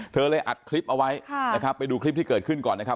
เลยอัดคลิปเอาไว้นะครับไปดูคลิปที่เกิดขึ้นก่อนนะครับ